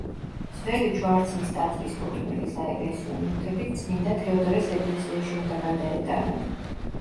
ძველი ჯვარცმის ტაძრის კუთვნილი საეკლესიო ნივთებიც წმინდა თევდორეს ეკლესიაში უნდა გადაეტანათ.